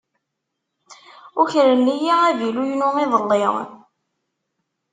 Ukren-iyi avilu-inu iḍelli.